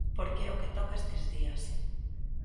Porque é o que toca estes días.